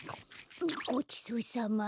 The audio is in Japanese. ごちそうさま。